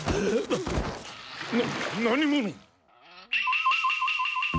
な何者？